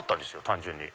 単純に。